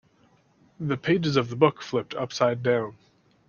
The pages of the book flipped upside down.